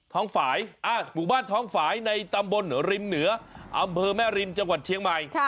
ฝ่ายหมู่บ้านท้องฝ่ายในตำบลริมเหนืออำเภอแม่ริมจังหวัดเชียงใหม่